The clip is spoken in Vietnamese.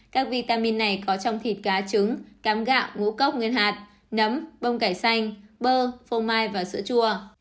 các vitamin này có trong thịt cá trứng cám gạo ngũ cốc nguyên hạt nấm bông cải xanh bơ phô mai và sữa chua